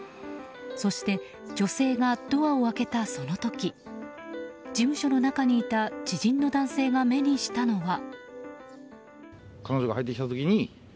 そして、女性がドアを開けたその時事務所の中にいた知人の男性が目にしたのは。